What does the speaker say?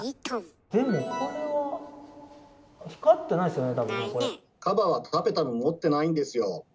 でもこれはカバはタペタム持ってないんですよ。